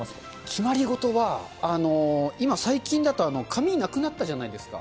決まり事は、今、最近だと紙なくなったじゃないですか。